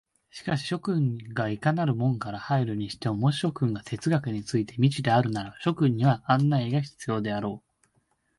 しかし諸君がいかなる門から入るにしても、もし諸君が哲学について未知であるなら、諸君には案内が必要であろう。